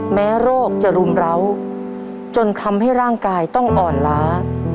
แม้โรคจะรุมร้าวจนทำให้ร่างกายต้องอ่อนล้า